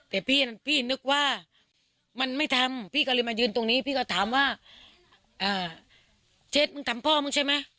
แต่พี่นึกว่ามันไม่ทำพี่ก็เลยมายืนตรงนี้พี่ก็ถามว่าเช็ดมึงทำพ่อมึงใช่ไหม